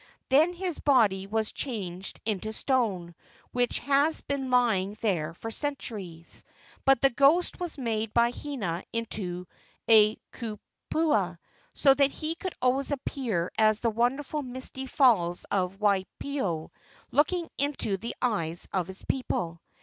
Then his body was changed into a stone, which has been lying there for centuries; but his ghost was made by Hina into a kupua, so that he could always appear as the wonderful misty falls of Waipio, looking into the eyes of his people.